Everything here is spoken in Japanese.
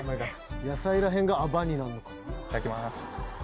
いただきます。